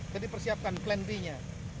jadi persiapkan plan b nya